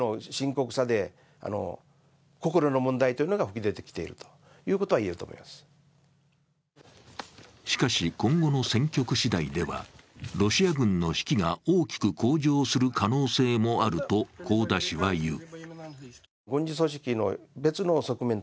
更に士気の低下を招いている要因がしかし、今後の戦局しだいではロシア軍の士気が大きく向上する可能性もあると香田氏は言う。